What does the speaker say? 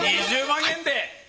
２０万円で。